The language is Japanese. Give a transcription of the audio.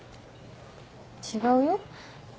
違うよ